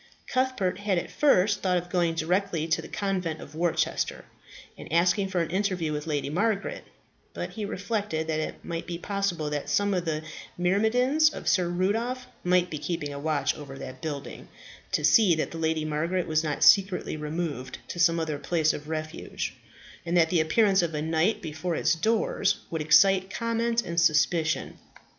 Cuthbert had at first thought of going direct to the convent of Worcester, and asking for an interview with Lady Margaret; but he reflected that it might be possible that some of the myrmidons of Sir Rudolph might be keeping a watch over that building, to see that Lady Margaret was not secretly removed to some other place of refuge, and that the appearance of a knight before its doors would excite comment and suspicion.